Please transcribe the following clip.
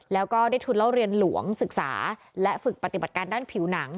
แล้วก็ได้ทุนเล่าเรียนหลวงศึกษาและฝึกปฏิบัติการด้านผิวหนัง